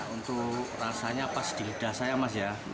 untuk rasanya pas di lidah saya